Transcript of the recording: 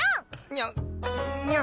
にゃにゃん。